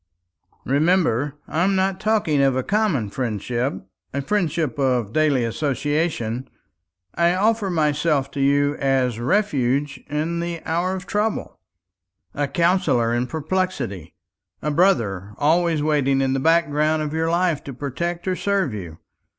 "Remember, I am not talking of a common friendship, a friendship of daily association. I offer myself to you as refuge in the hour of trouble, a counsellor in perplexity, a brother always waiting in the background of your life to protect or serve you.